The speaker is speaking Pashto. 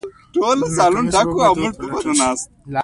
د ناکامۍ سبب باید وپلټل شي.